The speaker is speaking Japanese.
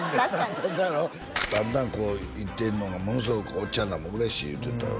確かにだんだんこういってんのがものすごくおっちゃんらも嬉しい言うてたよ